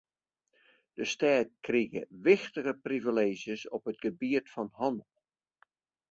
De stêd krige wichtige privileezjes op it gebiet fan hannel.